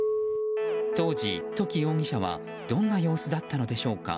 当時、土岐容疑者はどんな様子だったのでしょうか。